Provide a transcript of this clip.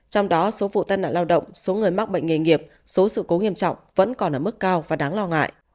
trong đó số vụ tai nạn lao động số người mắc bệnh nghề nghiệp số sự cố nghiêm trọng vẫn còn ở mức cao và đáng lo ngại